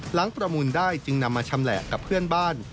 ประมูลได้จึงนำมาชำแหละกับเพื่อนบ้าน